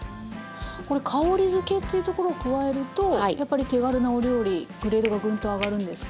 これ香りづけっていうところを加えるとやっぱり手軽なお料理グレードがぐんと上がるんですか？